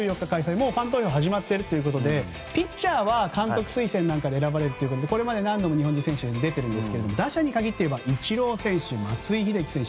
もうファン投票は始まっているということでピッチャーは監督推薦で選ばれ何度も日本人は出ていますが打者に限っていえばイチロー選手、松井秀喜選手